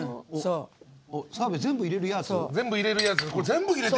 澤部、全部、入れるやつ？